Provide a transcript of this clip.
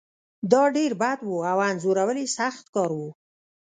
دا ډیر بد و او انځورول یې سخت کار و